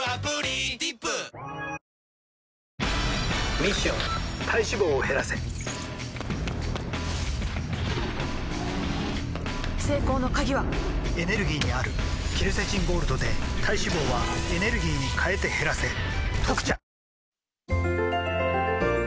ミッション体脂肪を減らせ成功の鍵はエネルギーにあるケルセチンゴールドで体脂肪はエネルギーに変えて減らせ「特茶」